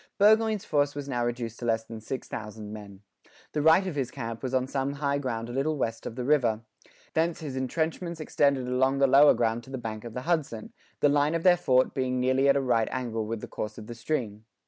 Burgoyne's force was now reduced to less than 6,000 men. The right of his camp was on some high ground a little to the west of the river; thence his entrenchments extended along the lower ground to the bank of the Hudson, the line of their front being nearly at a right angle with the course of the stream.